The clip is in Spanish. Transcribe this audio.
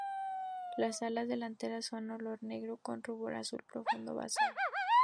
Las alas delanteras son de color negro con un rubor azul profundo basal.